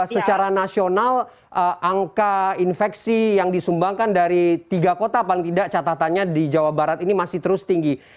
secara nasional angka infeksi yang disumbangkan dari tiga kota paling tidak catatannya di jawa barat ini masih terus tinggi